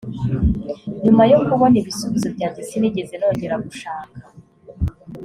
nyuma yo kubona ibisubizo byanjye sinigeze nongera gushaka